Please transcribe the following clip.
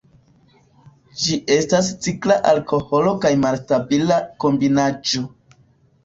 Ĝi estas cikla alkoholo kaj malstabila kombinaĵo.